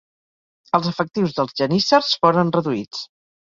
Els efectius dels geníssers foren reduïts.